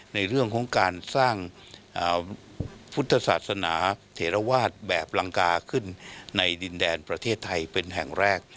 ในเรื่องของการสร้างพุทธศาสนาเถระวาสแบบลังกาขึ้นในดินแดนประเทศไทยเป็นแห่งแรก